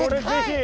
はい。